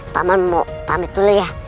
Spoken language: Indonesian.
taman mau pamit dulu ya